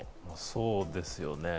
そうですよね。